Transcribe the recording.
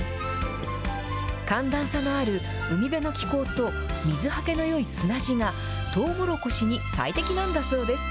寒暖差のある海辺の気候と、水はけのよい砂地がとうもろこしに最適なんだそうです。